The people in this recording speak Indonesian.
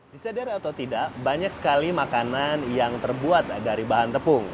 disadari atau tidak banyak sekali makanan yang terbuat dari bahan tepung